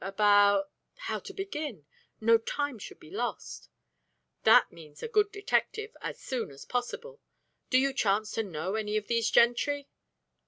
"About " "How to begin, no time should be lost." "That means a good detective, as soon as possible. Do you chance to know any of these gentry?"